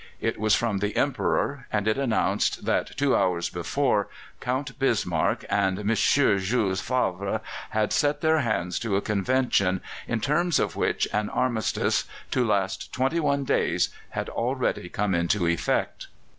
It was from the Emperor, and it announced that, two hours before, Count Bismarck and M. Jules Favre had set their hands to a convention, in terms of which an armistice to last for twenty one days had already come into effect."